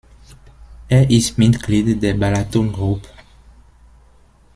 Er ist Mitglied der Balaton Group.